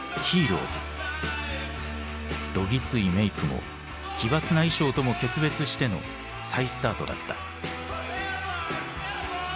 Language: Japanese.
どぎついメークも奇抜な衣装とも決別しての再スタートだった。